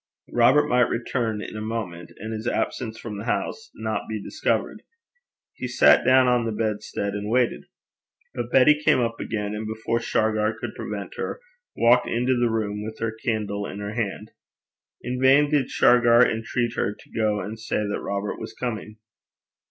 Robert might return in a moment, and his absence from the house not be discovered. He sat down on the bedstead and waited. But Betty came up again, and before Shargar could prevent her, walked into the room with her candle in her hand. In vain did Shargar intreat her to go and say that Robert was coming.